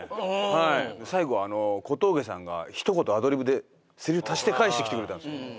はい最後あの小峠さんが一言アドリブでセリフ足して返してきてくれたんですよ